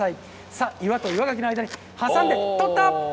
さあ、岩と岩がきの間に挟んで、取った！